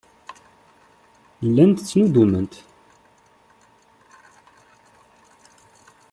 Llant ttnuddument.